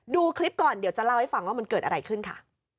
ดูคลิปก่อนเดี๋ยวจะเล่าให้ฟังว่ามันเกิดอะไรขึ้นค่ะ